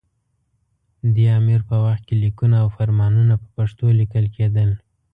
دې امیر په وخت کې لیکونه او فرمانونه په پښتو لیکل کېدل.